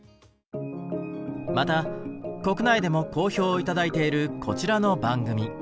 また国内でも好評を頂いているこちらの番組。